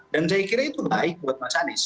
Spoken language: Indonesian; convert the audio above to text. dan saya kira itu baik buat mas anies